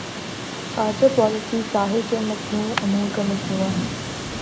خارجہ پالیسی ظاہر ہے کہ متنوع امور کا مجموعہ ہے۔